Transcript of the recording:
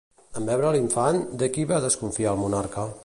En veure l'infant, de qui va desconfiar el monarca?